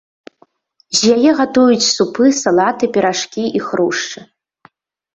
З яе гатуюць супы, салаты, піражкі і хрушчы.